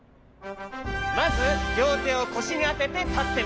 まずりょうてをこしにあててたってみよう。